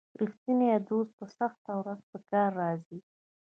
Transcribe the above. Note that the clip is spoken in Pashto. رښتینی دوست په سخته ورځ په کار راځي.